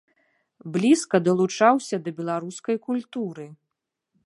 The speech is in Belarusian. Блізка далучаўся да беларускай культуры.